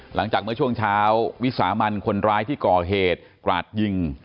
หลังจากเมื่อช่วงเช้าวิสามันคนร้ายที่ก่อเหตุกราดยิง